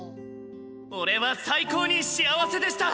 俺は最高に幸せでした！